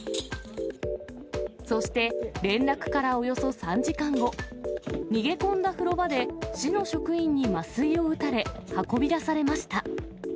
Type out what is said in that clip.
そして連絡からおよそ３時間後、逃げ込んだ風呂場で市の職員に麻酔を打たれ、運び出されました。